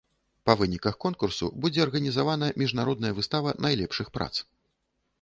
Па выніках конкурсу будзе арганізавана міжнародная выстава найлепшых прац.